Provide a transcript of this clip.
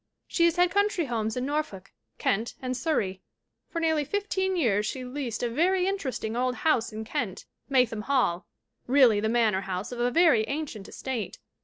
She has had country homes in Norfolk, Kent and Surrey. For nearly fifteen years she leased a very interesting old house in Kent, Maytham Hall, really the manor house of a very ancient estate.